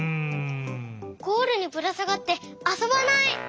ゴールにぶらさがってあそばない。